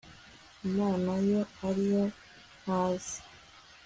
Imana yo yari ihazi